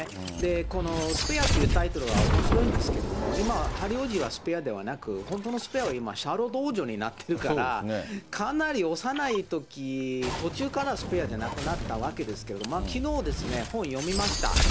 このスペアというタイトルはおもしろいんですけれども、今、ハリー王子はスペアじゃなく、本当のスペアは今、シャーロット王女になっているから、かなり幼いとき、途中からスペアじゃなくなったわけですけど、きのうですね、本読みました。